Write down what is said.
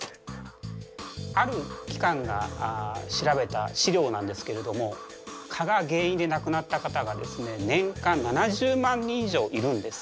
ある機関が調べた資料なんですけれども蚊が原因で亡くなった方がですね年間７０万人以上いるんです。